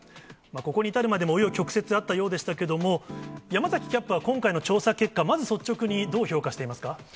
ここに至るまでもう余曲折あったようでしたけれども、山崎キャップは今回の調査結果、まず率直に、どう評価していますか。